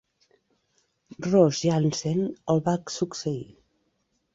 Ross Jansen el va succeir.